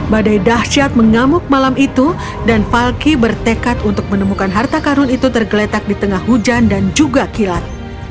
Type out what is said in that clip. badai dahsyat mengamuk malam itu dan falky bertekad untuk menemukan harta karun itu tergeletak di tengah hujan dan juga kilat